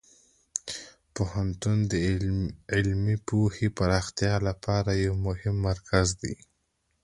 پوهنتون د علمي پوهې پراختیا لپاره یو مهم مرکز دی.